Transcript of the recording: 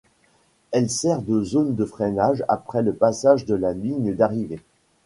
Elle sert de zone de freinage après le passage de la ligne d'arrivée.